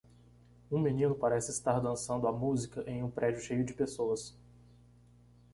Um menino parece estar dançando a música em um prédio cheio de pessoas.